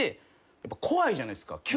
やっぱ怖いじゃないですか。